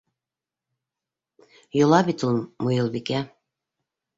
Йола бит ул. Муйылбикә: